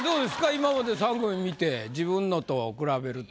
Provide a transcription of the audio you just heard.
今まで３組見て自分のと比べると。